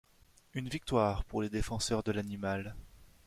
Une victoire pour les défenseurs de l'animal.